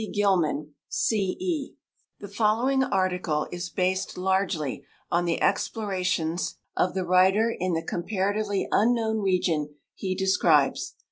Gilman, C. E. [The following v.'ilnaV)le article is based largely on the explorations of the writer in the comparatively unknown region he describes.